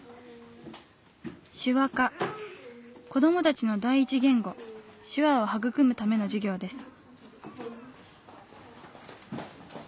子どもたちの第一言語手話を育むための授業です。